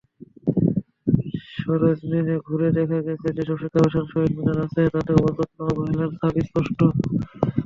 সরেজমিনে ঘুরে দেখা গেছে, যেসব শিক্ষাপ্রতিষ্ঠানে শহীদ মিনার আছে তাতেও অযত্ন-অবহেলার ছাপ স্পষ্ট।